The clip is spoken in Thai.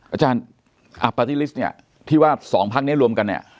อาจารย์ปาร์ตี้ลิสต์เนี่ยที่ว่าสองพักนี้รวมกันเนี่ย